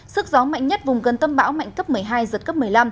sức gió mạnh nhất vùng gần tâm bão mạnh cấp một mươi hai giật cấp một mươi năm